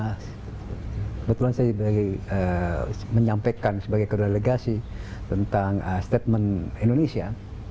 kebetulan saya menyampaikan sebagai kodelegasi tentang statement indonesia